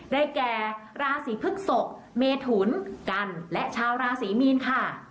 แก่ราศีพฤกษกเมถุนกันและชาวราศีมีนค่ะ